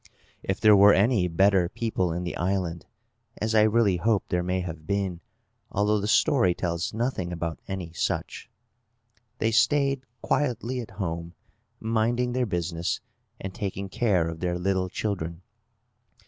If there were any better people in the island (as I really hope there may have been, although the story tells nothing about any such), they stayed quietly at home, minding their business, and taking care of their little children.